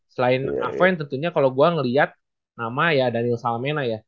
selain aven tentunya kalau gue ngeliat nama ya daniel salmena ya